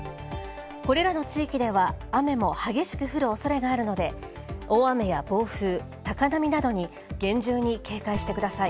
これらの地域では雨も激しく降る恐れがあるので大雨や暴風、高波などに、厳重に警戒してください。